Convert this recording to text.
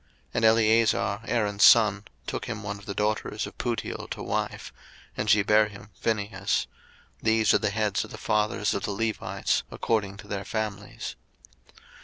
02:006:025 And Eleazar Aaron's son took him one of the daughters of Putiel to wife; and she bare him Phinehas: these are the heads of the fathers of the Levites according to their families.